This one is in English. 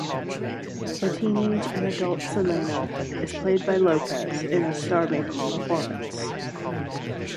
The teenage and adult Selena is played by Lopez in a star-making performance.